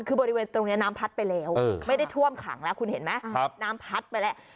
คือบริเวณตรงนี้น้ำพัดไปแล้วไม่ได้ท่วมขังแล้วคุณเห็นไหมน้ำพัดไปแล้ว